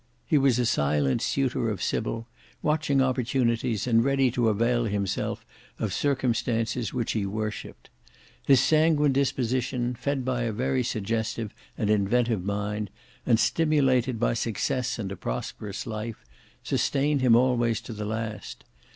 He was a silent suitor of Sybil, watching opportunities and ready to avail himself of circumstances which he worshipped. His sanguine disposition, fed by a very suggestive and inventive mind, and stimulated by success and a prosperous life, sustained him always to the last.